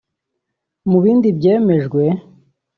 Mu bindi byemejwe